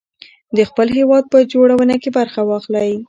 د خپل هېواد په جوړونه کې برخه واخلئ.